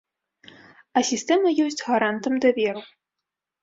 А сістэма ёсць гарантам даверу.